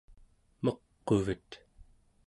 meq'uvet